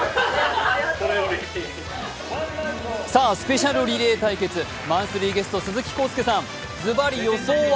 さぁスペシャルリレー対決、マンスリーゲスト、鈴木浩介さん、ズバリ予想は？